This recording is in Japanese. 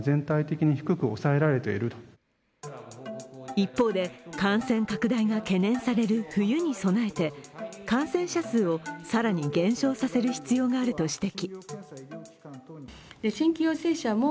一方で、感染拡大が懸念される冬に備えて感染者数を更に減少させる必要があると指摘。